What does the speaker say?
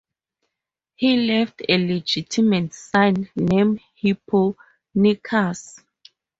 He left a legitimate son named Hipponicus.